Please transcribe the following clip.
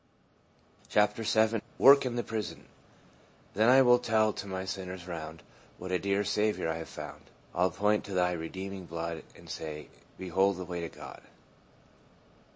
CHAPTER VII. WORK IN THE PRISON. "Then will I tell to sinners round What a dear Saviour I have found; I '11 point to Thy redeeming blood, And say, ' Behold the way to God